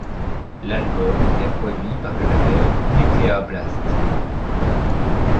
L'album est produit par le label Nuclear Blast.